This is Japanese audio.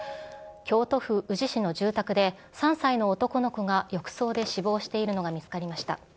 京都府宇治市の住宅で３歳の男の子が浴槽で死亡しているのが見つかりました。